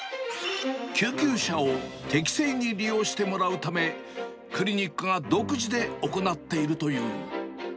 救急車を適正に利用してもらうため、クリニックが独自で行っているという。